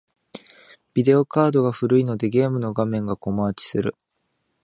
ビデオカードが古いので、ゲームの画面がコマ落ちする。